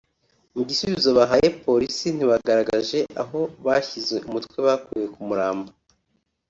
Mu gisubizo bahaye polisi ntibagaragaje aho bashyize umutwe bakuye ku murambo